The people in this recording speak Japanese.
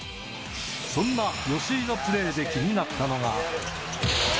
そんな吉井のプレーで気になったのが。